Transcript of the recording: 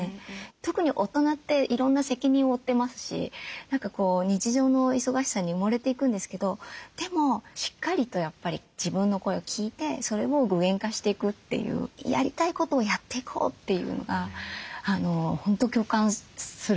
特に大人っていろんな責任を負ってますし日常の忙しさに埋もれていくんですけどでもしっかりとやっぱり自分の声を聞いてそれを具現化していくっていうやりたいことをやっていこうっていうのが本当共感するなと思いました。